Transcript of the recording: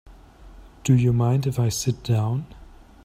Do you mind if I sit down?